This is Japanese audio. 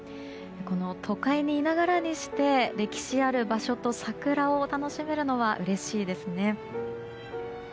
都会にいながらにして歴史ある場所と桜を楽しめるのはうれしいですね。